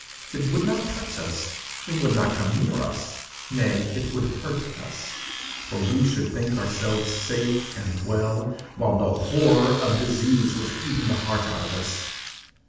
It would not touch us. It would not come near us. Nay, it would hurt us, for we should think ourselves safe and well, while the horror of disease was eating the heart out of us.